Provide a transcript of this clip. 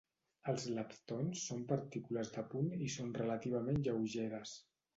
Els leptons són partícules de punt i són relativament lleugeres.